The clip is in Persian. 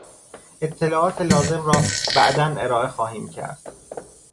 اطلاعات لازم را بعدا ارائه خواهیم کرد.